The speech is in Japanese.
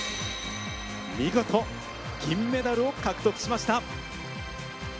見事銀メダルを獲得しました。